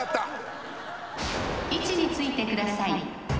位置についてください